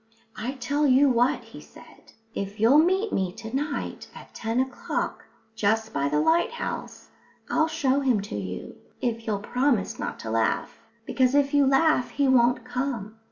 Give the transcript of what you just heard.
"I tell you what," he said. "If you'll meet me to night at ten o'clock just by the lighthouse I'll show him to you, if you'll promise not to laugh. Because if you laugh, he won't come."